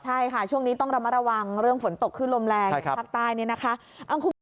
ใช่ค่ะช่วงนี้ต้องระมัดระวังเรื่องฝนตกขึ้นลมแรงอย่างภาคใต้เนี่ยนะคะ